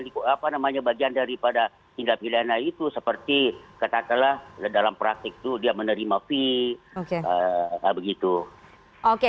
misalnya bagian daripada tindak pidana itu seperti katakanlah dalam praktik itu dia menerima fee